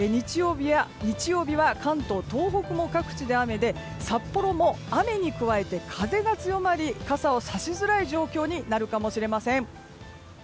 日曜日は関東、東北も各地で雨で札幌も雨に加えて風が強まり傘を差しづらい状況になるかもしれません。